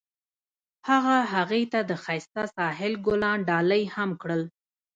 هغه هغې ته د ښایسته ساحل ګلان ډالۍ هم کړل.